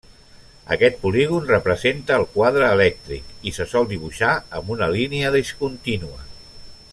Aquest polígon representa el quadre elèctric i se sol dibuixar amb una línia discontínua.